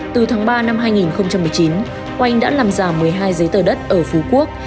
từ tháng ba năm hai nghìn một mươi chín oanh đã làm giả một mươi hai giấy tờ đất ở phú quốc